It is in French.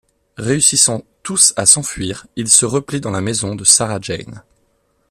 Réussissant tous à s'enfuir, ils se replient dans la maison de Sarah Jane.